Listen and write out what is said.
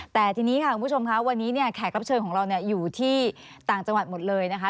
แต่ทีนี้ค่ะคุณผู้ชมค่ะวันนี้เนี่ยแขกรับเชิญของเราอยู่ที่ต่างจังหวัดหมดเลยนะคะ